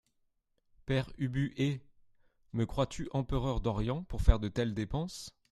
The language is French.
Père Ubu Eh ! me crois-tu empereur d’Orient pour faire de telles dépenses ?